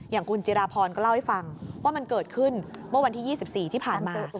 อย่างคุณจิราพรก็เล่าให้ฟังว่ามันเกิดขึ้นเมื่อวันที่๒๔ที่ผ่านมา